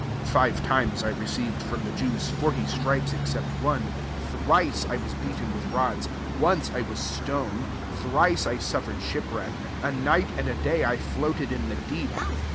24 (Five times I received from the Jews forty strifiea except one. 25 Thrice I was beaten with rods, once I was stoned, thrice I suffered shipwreck, a night and a day I floated in the deep.)